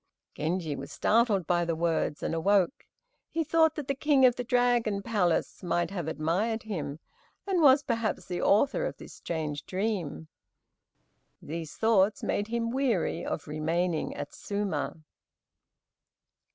Genji was startled by the words, and awoke. He thought that the king of the dragon palace might have admired him, and was perhaps the author of this strange dream. These thoughts made him weary of remaining at Suma.